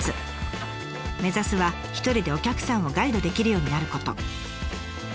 目指すは一人でお客さんをガイドできるようになること。